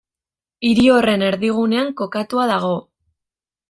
Hiri horren erdigunean kokatua dago.